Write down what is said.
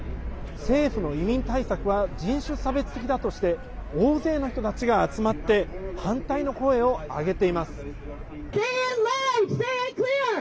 政府の移民対策は人種差別的だとして大勢の人たちが集まって反対の声を上げています。